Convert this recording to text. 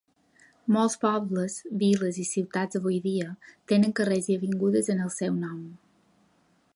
Molts pobles, viles i ciutats avui dia, tenen carrers i avingudes en el seu nom.